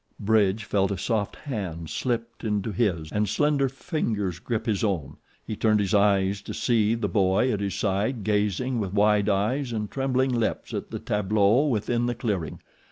Bridge felt a soft hand slipped into his and slender fingers grip his own. He turned his eyes to see the boy at his side gazing with wide eyes and trembling lips at the tableau within the clearing.